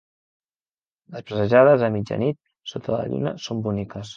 Les passejades a mitjanit sota la lluna són boniques.